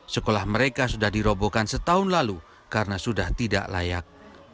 sekolah mereka sudah dirobohkan setahun lalu karena sudah tidak layak